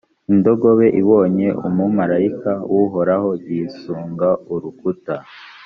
indogobe ibonye umumalayika w’uhoraho yisunga urukuta.